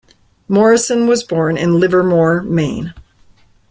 Morrison was born in Livermore, Maine.